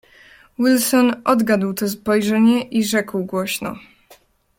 "Wilson odgadł to spojrzenie i rzekł głośno."